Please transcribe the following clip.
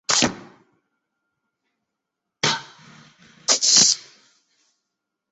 布拉佐里亚县的弗里波特的两间小屋摧毁。